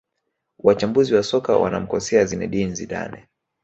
Wachambuzi wa soka wanamkosea Zinedine Zidane